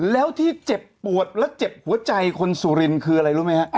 แล้วที่เจ็บปวดและเจ็บหัวใจคนสุรินคืออะไรรู้ไหมฮะ